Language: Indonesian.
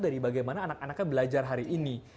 dari bagaimana anak anaknya belajar hari ini